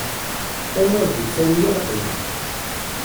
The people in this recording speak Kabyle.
Qqim ur d-ittawi alqim.